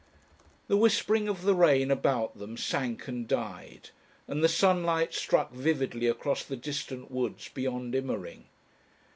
The whispering of the rain about them sank and died, and the sunlight struck vividly across the distant woods beyond Immering.